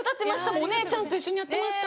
もうお姉ちゃんと一緒にやってました。